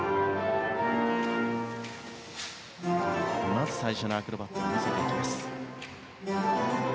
まず最初のアクロバットを見せていきました。